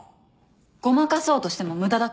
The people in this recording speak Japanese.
ごまかそうとしても無駄だから。